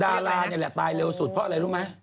ดารานี่แหละตายเร็วสุดเพราะอะไรรู้ไหม